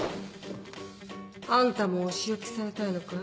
あんたもお仕置きされたいのかい？